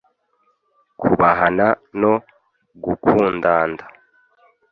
kubahana no gukundanda